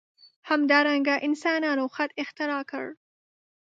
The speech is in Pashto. همدارنګه انسانانو خط اختراع کړ.